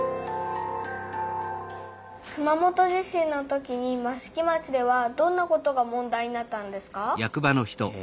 熊本地震のときに益城町ではどんなことが問題になったんですか？